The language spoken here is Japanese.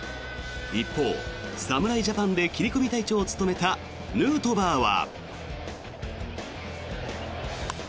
一方、侍ジャパンで切り込み隊長を務めたヌートバーは。